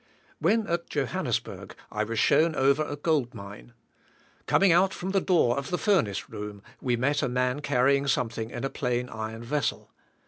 When at Johannesburg, I was shown over a gold mine. Coming out from the door of the furnace room we met a man carrying something in a plain iron vessel.